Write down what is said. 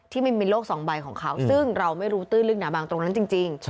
มันมีโลกสองใบของเขาซึ่งเราไม่รู้ตื้นลึกหนาบางตรงนั้นจริง